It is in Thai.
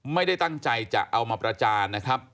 ไม่ได้ตั้งใจจะเอามาประจานนะครับ